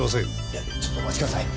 いやちょっとお待ちください。